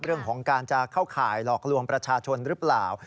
เรื่องของการจะเข้าข่ายหลอกลวงประชาชนหรือเปล่า